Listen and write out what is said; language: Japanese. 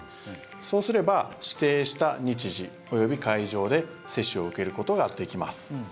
そうすれば指定した日時及び会場で接種を受けることができます。